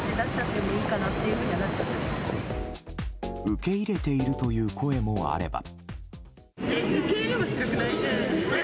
受け入れているという声もあれば。